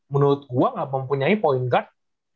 menurut gue gak mempunyai point guard